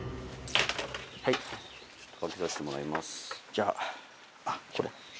じゃああっこれ。